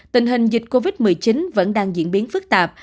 tình hình dịch covid một mươi chín vẫn đang diễn biến phức tạp